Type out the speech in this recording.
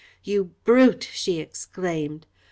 "You brute!" she exclaimed.